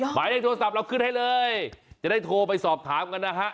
หมายเลขโทรศัพท์เราขึ้นให้เลยจะได้โทรไปสอบถามกันนะฮะ